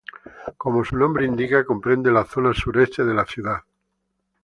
Como su nombre indica, comprende la zona sureste de la ciudad.